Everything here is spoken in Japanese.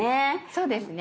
そうですね。